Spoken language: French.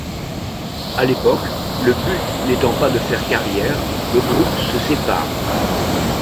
À l'époque, le but n'étant pas de faire carrière, le groupe se sépare.